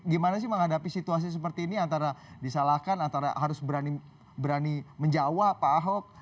gimana sih menghadapi situasi seperti ini antara disalahkan antara harus berani menjawab pak ahok